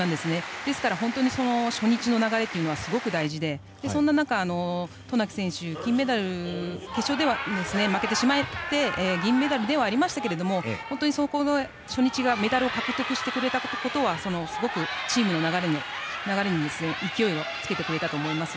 ですから本当に初日の流れがすごく大事でそんな中、渡名喜選手決勝では負けてしまって銀メダルではありましたけれどもそこの初日でメダルを獲得してくれたことがチームの流れに勢いをつけてくれたと思います。